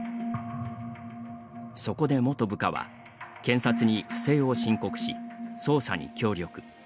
そこで元部下は、検察に不正を申告し、捜査に協力。